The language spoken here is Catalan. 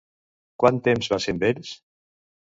Quant temps va ser amb ells?